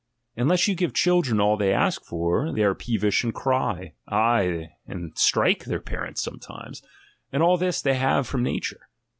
Unless you give children all they ask for, they are peevish and cry, aye, and strike their parents sometimes; and all this they have from nature.